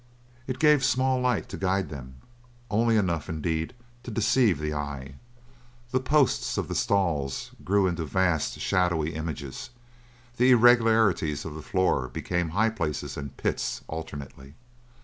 It gave small light to guide them; only enough, indeed, to deceive the eye. The posts of the stalls grew into vast, shadowy images; the irregularities of the floor became high places and pits alternately.